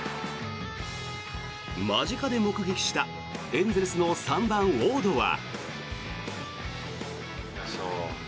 間近で目撃したエンゼルスの３番、ウォードは。